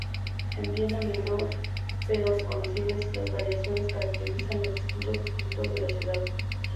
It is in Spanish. En Viena, menor pero reconocible, las variaciones caracterizan los distintos distritos de la ciudad.